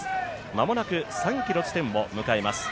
間もなく３ｋｍ地点を迎えます。